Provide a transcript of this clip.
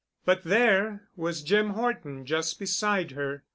But there was Jim Horton just beside her....